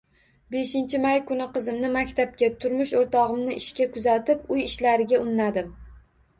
Beshinchi may kuni qizimni maktabga, turmush o`rtog`imni ishga kuzatib, uy ishlariga unnadim